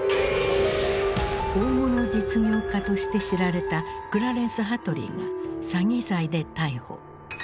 大物実業家として知られたクラレンス・ハトリーが詐欺罪で逮捕。